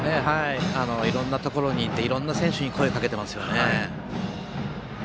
いろんなところに行っていろんな選手に声をかけてますね。